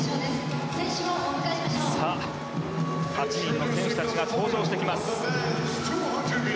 ８人の選手が登場してきます。